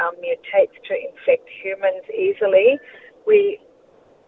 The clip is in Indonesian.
memutasi untuk menyebabkan manusia dengan mudah